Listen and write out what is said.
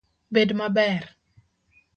Bed maber